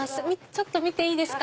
ちょっと見ていいですか？